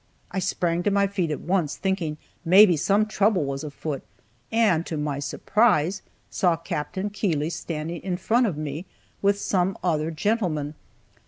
I sprang to my feet at once, thinking maybe some trouble was afoot, and, to my surprise, saw Capt. Keeley standing in front of me, with some other gentleman.